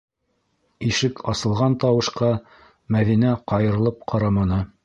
Ишек асылған тауышҡа Мәҙинә ҡайырылып ҡараманы.